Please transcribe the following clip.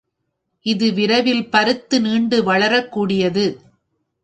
இது விரைவில் பருத்து நீண்டு வளரக் கூடியது.